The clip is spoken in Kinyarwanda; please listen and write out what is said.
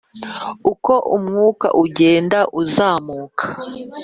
Uko umwuka ugenda uzamuka